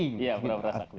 iya pura pura sakti